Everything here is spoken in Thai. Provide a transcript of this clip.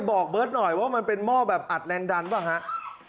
บอกเบิร์ตหน่อยว่ามันเป็นหม้อแบบอัดแรงดันเปล่าฮะ